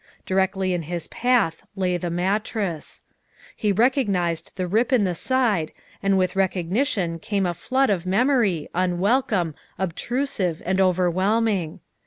Directly in his path lay the mattress. He recog nized the rip in the side, and with recognition came a flood of memory, unwelcome, obtrusive, and overwhelm ing.